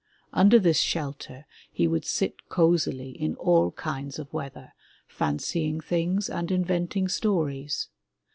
Under this shelter he would sit cozily in all kinds of weather, fancying things and inventing stories.